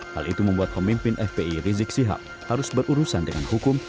hal itu membuat pemimpin fpi rizik sihab harus berurusan dengan hukum